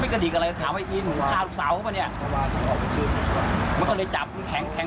เขาฟังหน้าอยู่แล้วแล้วนอนอยู่ข้าง